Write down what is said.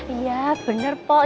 iya bener pok